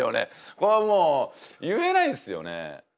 これはもう言えないんですよね。